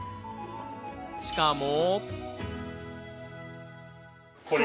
しかも。